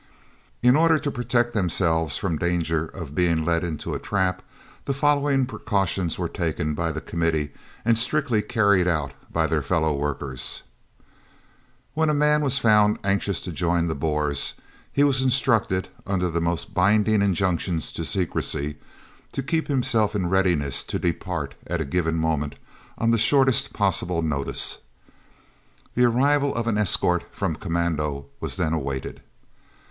In order to protect themselves from the danger of being led into a trap, the following precautions were taken by the Committee and strictly carried out by their fellow workers: When a man was found anxious to join the Boers, he was instructed, under the most binding injunctions to secrecy, to keep himself in readiness to depart at a given moment, on the shortest possible notice. The arrival of an escort from commando was then awaited.